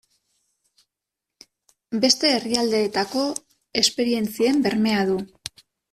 Beste herrialdeetako esperientzien bermea du.